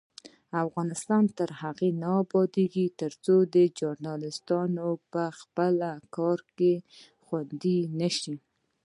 افغانستان تر هغو نه ابادیږي، ترڅو ژورنالیستان په خپل کار کې خوندي نشي.